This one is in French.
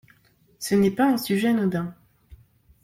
Ce n’est pas un sujet anodin.